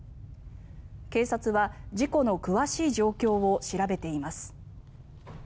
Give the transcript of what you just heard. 警察は事故の詳しい状況を調べています。